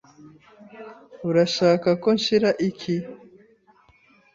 Urashaka ko nshyira iki?